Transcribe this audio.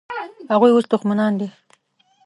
هغوی اوس دښمنان دي.